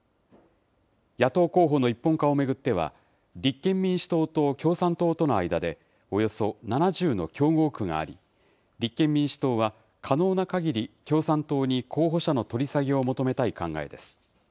野党候補の一本化を巡っては、立憲民主党と共産党との間で、およそ７０の競合区があり、立憲民主党は可能なかぎり共産党に候補者の取り下げを求めたい考えです。